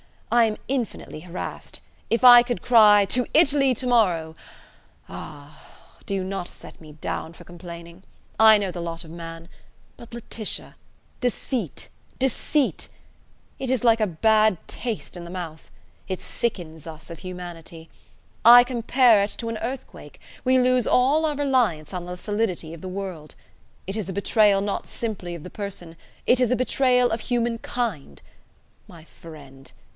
I am infinitely harassed. If I could cry, 'To Italy tomorrow!' Ah! ... Do not set me down for complaining. I know the lot of man. But, Laetitia, deceit! deceit! It is a bad taste in the mouth. It sickens us of humanity. I compare it to an earthquake: we lose all our reliance on the solidity of the world. It is a betrayal not simply of the person; it is a betrayal of humankind. My friend!